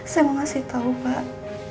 saya mau kasih tahu pak